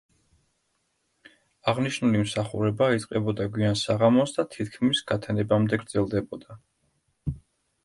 აღნიშნული მსახურება იწყებოდა გვიან საღამოს და თითქმის გათენებამდე გრძელდებოდა.